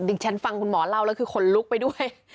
ดิฉันฟังคุณหมอเล่าแล้วคือขนลุกไปด้วย